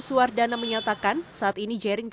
suardana menyatakan saat ini jaring